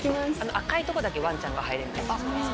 赤いとこだけワンちゃんが入れる。